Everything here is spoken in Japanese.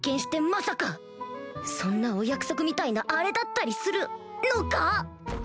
まさかそんなお約束みたいなあれだったりするのか？